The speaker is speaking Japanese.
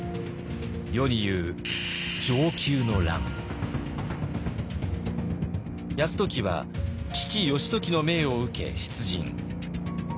世に言う泰時は父義時の命を受け出陣。